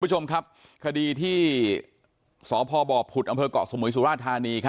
คุณผู้ชมครับคดีที่สพบผุดอำเภอกเกาะสมุยสุราธานี